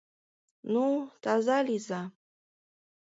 — Ну, таза лийза!